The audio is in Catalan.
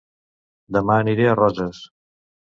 Dema aniré a Roses